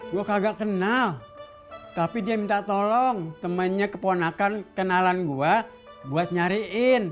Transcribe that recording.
gue kagak kenal tapi dia minta tolong temannya keponakan kenalan gue buat nyariin